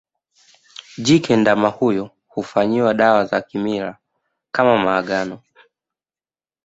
Jike ndama huyo hufanyiwa dawa za kimila kama maagano